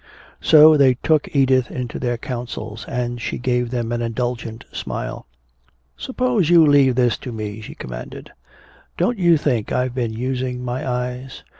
So they took Edith into their councils, and she gave them an indulgent smile. "Suppose you leave this to me," she commanded. "Don't you think I've been using my eyes?